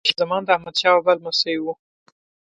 شاه زمان د احمد شاه بابا لمسی وه.